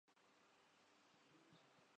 آدم جی award سے نوازا گیا